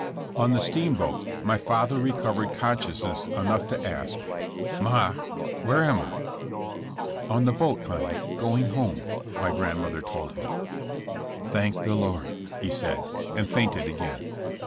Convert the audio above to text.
On the steamboat my father recovered conscious ness enough to ask: "Ma, where am I?" 0n the boat, honey, going home,'' my grand mother told him. "Thank the Lord," he said, and fainted again.